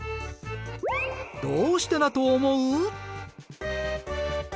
どうしてだと思う？